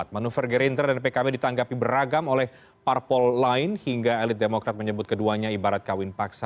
manuver gerindra dan pkb ditanggapi beragam oleh parpol lain hingga elit demokrat menyebut keduanya ibarat kawin paksa